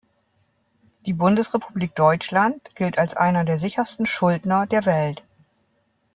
Die Bundesrepublik Deutschland gilt als einer der sichersten Schuldner der Welt.